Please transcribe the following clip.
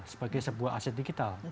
sebagai sebuah aset digital